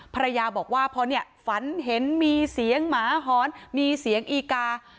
ภรรยาบอกว่าพอเนี่ยฝันเห็นมีเสียงหมาหอนมีเสียงอีกา